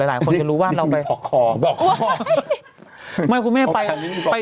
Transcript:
หลายคนดูว่าเรามี